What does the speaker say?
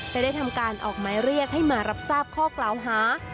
และได้ทำการออกหมายเรียกให้มารับทราบข้อกล่าวหา